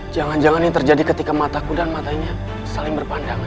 jangan jangan ini terjadi ketika mataku dan matanya saling berpandangan